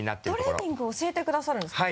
トレーニングを教えてくださるんですか？